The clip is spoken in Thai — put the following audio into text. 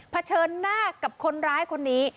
เฉินหน้ากับคนร้ายคนนี้